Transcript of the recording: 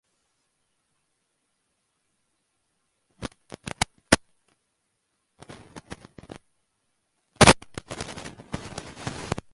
কিছুক্ষণের মধ্যেই বিশ্বকাপে কোনো সহযোগী সদস্যদেশের ব্যাটসম্যানের সর্বোচ্চ ইনিংসটিও কোয়েটজারের হয়ে গেল।